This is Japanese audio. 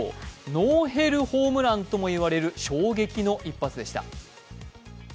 ノーヘルホームランとも言われる衝撃の一発でした。